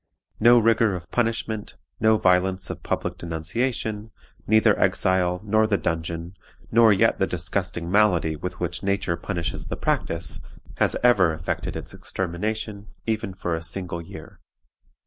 No rigor of punishment, no violence of public denunciation; neither exile, nor the dungeon, nor yet the disgusting malady with which nature punishes the practice has ever effected its extermination, even for a single year.